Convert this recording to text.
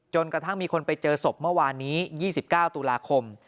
กระทั่งมีคนไปเจอศพเมื่อวานนี้๒๙ตุลาคม